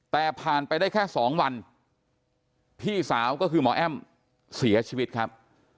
แต่ผ่านไปได้แค่๒วันพี่สาวก็คือหมอแอ้มเสียชีวิตครับ